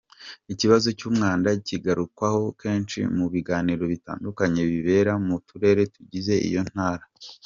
Ikibazo cy’umwanda kigarukwaho kenshi mu biganiro bitandukanye bibera mu turere tugize iyo ntara.